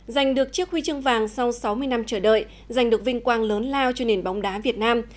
giành được chiếc huy chương vàng sau sáu mươi năm chờ đợi giành được vinh quang lớn lao cho nền bóng đá việt nam